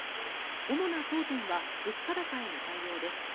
主な争点は物価高への対応です。